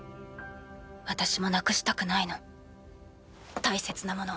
私もなくしたくないの大切なもの。